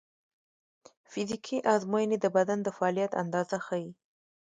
فزیکي ازموینې د بدن د فعالیت اندازه ښيي.